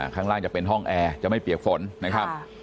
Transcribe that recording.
ข้างล่างจะเป็นห้องแอร์จะไม่เปียกฝนนะครับ